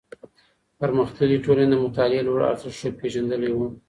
پرمختللې ټولني د مطالعې لوړ ارزښت ښه پېژندلی و.